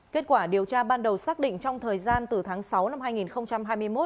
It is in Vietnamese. kết quả điều tra ban đầu xác định trong thời gian từ tháng sáu năm hai nghìn hai mươi một